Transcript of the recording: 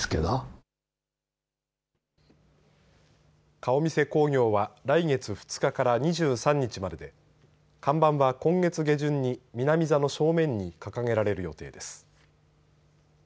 顔見世興行は来月２日から２３日までで看板は今月下旬に南座の正面に掲げられる予定です。